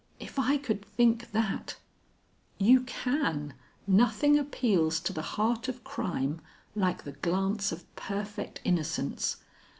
If I could think that " "You can, nothing appeals to the heart of crime like the glance of perfect innocence.